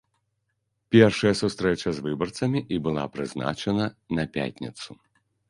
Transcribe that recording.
Першая сустрэча з выбарцамі і была прызначана на пятніцу.